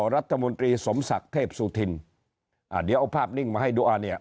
รัฐมนตรีสมศักดิ์เทพสุธินอ่าเดี๋ยวเอาภาพนิ่งมาให้ดูอ่าเนี่ย